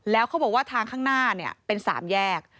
แล้วเขาบอกว่าทางข้างหน้าเป็น๓แยก